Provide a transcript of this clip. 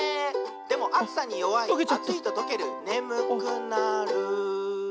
「でもあつさによわいあついととけるねむくなる」